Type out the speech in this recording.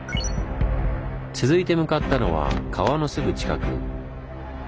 続いて向かったのは川のすぐ近く。